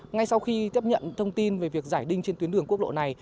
ngay sau khi tiếp nhận thông tin về việc giải đinh trên tuyến đường quốc lộ này